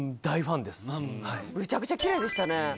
むちゃくちゃキレイでしたね。